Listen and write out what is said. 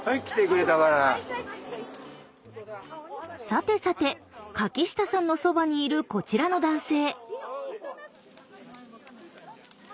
さてさて柿下さんのそばにいるこちらの男性。